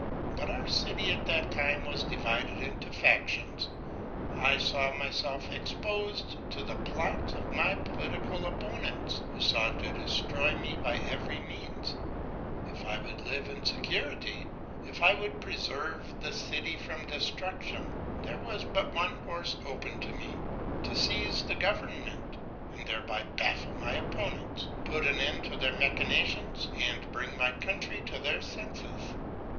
But our city at that time was divided into factions: I saw myself exposed to the plots of my political opponents, who sought to destroy me by every means: if I would live in security, if I would preserve the city from destruction, there was but one course open to me to seize upon the government, and thereby baffle my opponents, put an end to their machinations, and bring my countrymen to their senses.